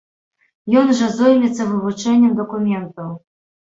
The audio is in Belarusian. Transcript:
Ён жа зоймецца вывучэннем дакументаў.